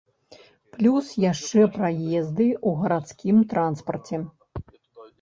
Плюс яшчэ праезды ў гарадскім транспарце.